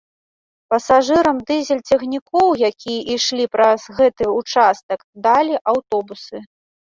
Пасажырам дызель-цягнікоў, якія ішлі праз гэты ўчастак, далі аўтобусы.